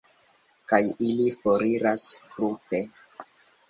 Kaj ili foriras grupe.